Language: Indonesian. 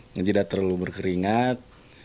nggak terlalu berkeringat